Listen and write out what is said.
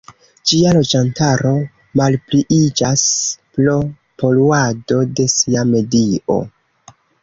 Ĝia loĝantaro malpliiĝas pro poluado de sia medio.